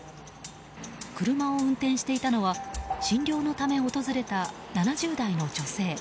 車を運転していたのは診療のため訪れた７０代の女性。